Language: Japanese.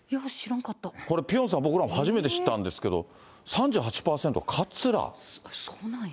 これピョンさん、僕らも初めて知ったんですけど、３８％かつら。